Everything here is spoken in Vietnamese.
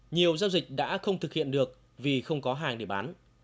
nhiều giao dịch đã không thực hiện được vì không có hàng để bán